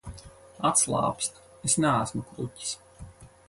Atslābsti, es neesmu kruķis.